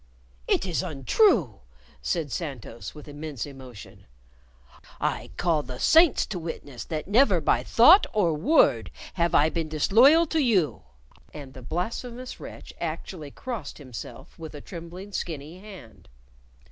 "It is untrue," said Santos, with immense emotion. "I call the saints to witness that never by thought or word have I been disloyal to you" and the blasphemous wretch actually crossed himself with a trembling, skinny hand.